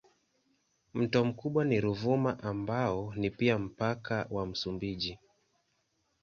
Mto mkubwa ni Ruvuma ambao ni pia mpaka wa Msumbiji.